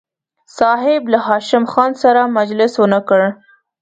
صاحب له هاشم خان سره مجلس ونه کړ.